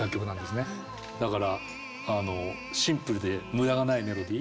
だからシンプルで無駄がないメロディー。